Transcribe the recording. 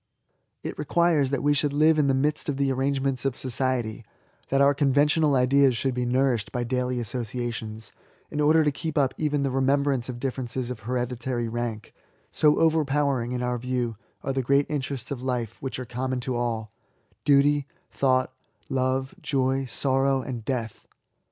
It requires that we should live in the midst of the arrangements of society, that our conventional ideas should be nourished by daily associations, in order to keep up even the remembrance of differences of hereditary rank, so overpowering in our view are the great iQterests of life which are common to all, — ^Duty, Thought, Love, Joy, Sorrow, and Death.